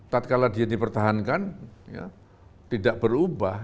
tak kala dia dipertahankan tidak berubah